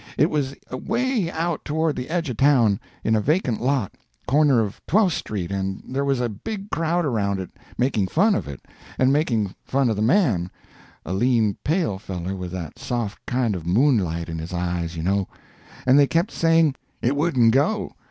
It was away out toward the edge of town, in a vacant lot, corner of Twelfth street; and there was a big crowd around it, making fun of it, and making fun of the man,—a lean pale feller with that soft kind of moonlight in his eyes, you know,—and they kept saying it wouldn't go.